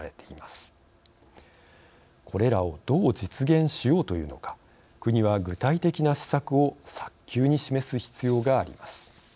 これらをどう実現しようというのか国は具体的な施策を早急に示す必要があります。